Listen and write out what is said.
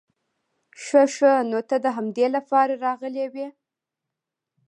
خه خه نو ته د همدې د پاره راغلې وې؟